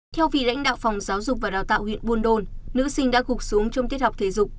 theo vị lãnh đạo phòng giáo dục và đào tạo huyện buôn đôn nữ sinh đã gục xuống trong tiết học thể dục